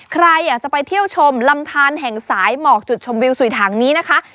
ใครอยากจะไปเที่ยวชมลำทานแห่งสายหมอกจุดชมวิวสุยถังนี้นะคะ